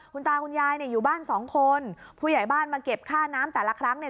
คุณตาคุณยายเนี่ยอยู่บ้านสองคนผู้ใหญ่บ้านมาเก็บค่าน้ำแต่ละครั้งเนี่ย